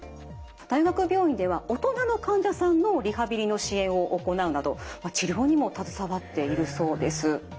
大学病院では大人の患者さんのリハビリの支援を行うなど治療にも携わっているそうです。